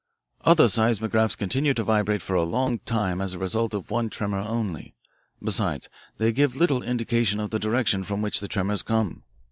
Other seismographs continue to vibrate for a long time as a result of one tremor only. Besides, they give little indication of the direction from which the tremors come.